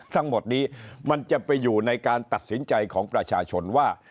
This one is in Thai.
ทั้งหมดนี้มันจะไปอยู่ในการตัดสินใจของประชาชนว่า